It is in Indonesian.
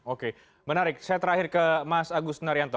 oke menarik saya terakhir ke mas agus naryanto